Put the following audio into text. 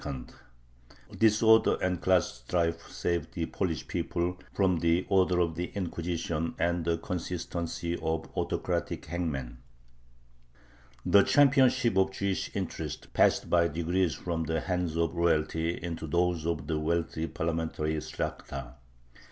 Disorder and class strife saved the Polish people from the "order" of the Inquisition and the consistency of autocratic hangmen. The championship of Jewish interests passed by degrees from the hands of royalty into those of the wealthy parliamentary Shlakhta.